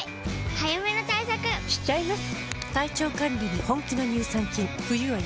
早めの対策しちゃいます。